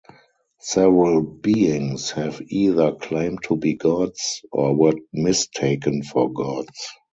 Several beings have either claimed to be gods, or were mistaken for gods.